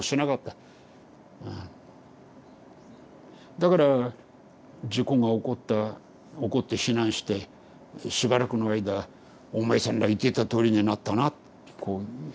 だから事故が起こった起こって避難してしばらくの間「お前さんら言ってたとおりになったな」ってこう。